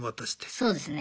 そうですね。